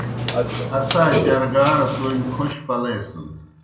اسا جرگاڑ تومیْ کھوش پلیسَن۔